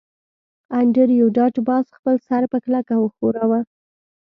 انډریو ډاټ باس خپل سر په کلکه وښوراوه